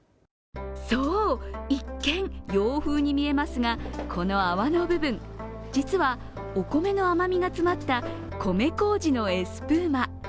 そう、一見洋風に見えますがこの泡の部分実は、お米の甘みが詰まった米こうじのエスプーマ。